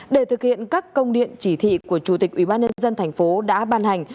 để thực hiện các công điện chỉ thị của chủ tịch ubnd thành phố đã ban hành